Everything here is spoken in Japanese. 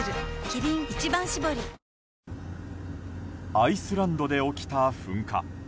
アイスランドで起きた噴火。